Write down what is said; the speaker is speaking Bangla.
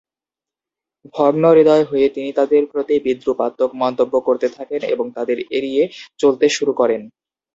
ভগ্নহৃদয় হয়ে তিনি তাঁদের প্রতি বিদ্রুপাত্মক মন্তব্য করতে থাকেন এবং তাঁদের এড়িয়ে চলতে শুরু করেন।